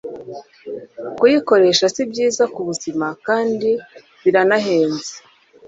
Kuyikoresha si byiza ku buzima kandi biranahenze.